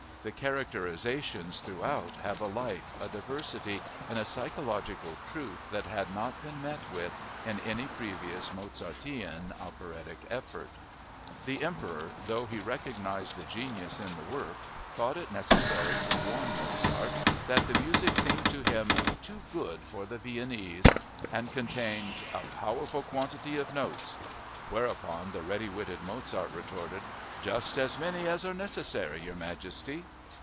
The characterizations throughout have a life, a diversity, and a psychological truth that had not been met with in any previous Mozartean operatic effort. The Emperor, though he recognized the genius in the work, thought it necessary to warn Mozart that the music seemed to him "too good for the Viennese" and contained "a powerful quantity of notes"—whereupon the ready witted Mozart retorted, "Just as many as are necessary, Your Majesty!"